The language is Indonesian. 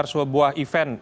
menggelar sebuah event